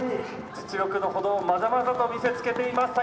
「実力のほどをまざまざと見せつけています